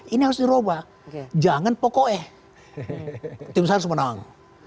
ini harus diubah jangan pokoknya tim saya harus menang